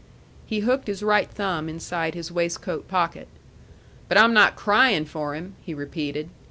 He hooked his right thumb inside his waistcoat pocket. "But I'm not cryin' for him," he repeated.